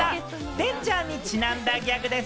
デンジャーにちなんだギャグです。